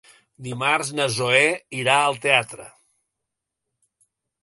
Dimarts na Zoè irà al teatre.